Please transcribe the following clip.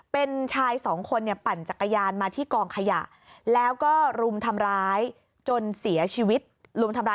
เป็นชายสองคนปั่นจักรยานมาที่กองขยะ